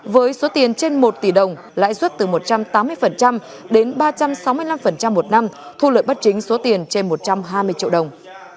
với số tiền trên một tỷ đồng lãi suất từ một trăm tám mươi đến ba trăm sáu mươi năm một năm thu lợi bất chính số tiền trên một trăm hai mươi triệu đồng